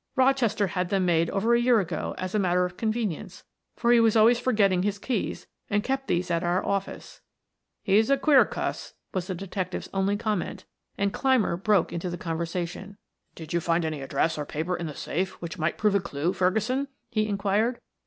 "Rochester had them made over a year ago as a matter of convenience, for he was always forgetting his keys, and kept these at our office." "He's a queer cuss," was the detective's only comment and Clymer broke into the conversation. "Did you find any address or paper in the safe which might prove a clew, Ferguson?" he inquired.